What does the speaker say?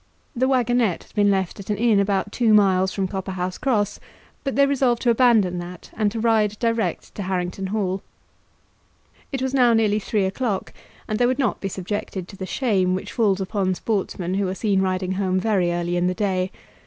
The waggonette had been left at an inn about two miles from Copperhouse Cross, but they resolved to abandon that and to ride direct to Harrington Hall. It was now nearly three o'clock, and they would not be subjected to the shame which falls upon sportsmen who are seen riding home very early in the day.